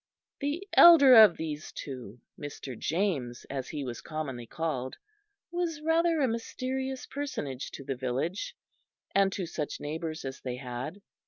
The elder of these two, Mr. James as he was commonly called, was rather a mysterious personage to the village, and to such neighbours as they had.